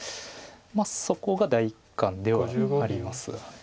まあそこが第一感ではあります。